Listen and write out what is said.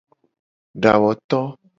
Dawoto.